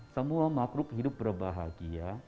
semua makhluk hidup berbahagia